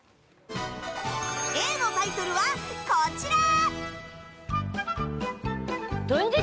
Ａのタイトルは、こちら！